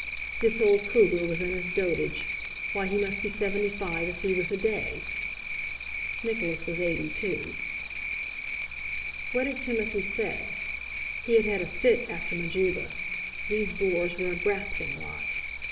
This old Kruger was in his dotage—why, he must be seventy five if he was a day! (Nicholas was eighty two.) What had Timothy said? He had had a fit after Majuba. These Boers were a grasping lot!